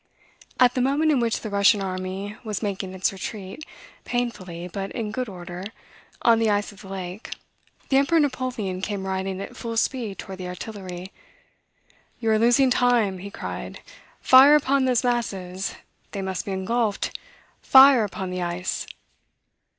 "At the moment in which the Russian army was making its retreat, painfully, but in good order, on the ice of the lake, the Emperor Napoleon came riding at full speed toward the artillery. 'You are losing time,' he cried; 'fire upon those masses; they must be engulfed; fire upon the ice!'